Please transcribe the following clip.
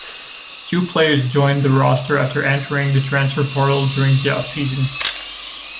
Two players joined the roster after entering the transfer portal during the offseason.